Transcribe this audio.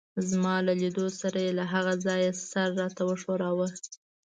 زما له لیدو سره يې له هغه ځایه سر راته وښوراوه.